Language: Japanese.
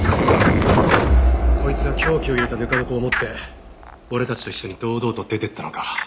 こいつは凶器を入れたぬか床を持って俺たちと一緒に堂々と出ていったのか。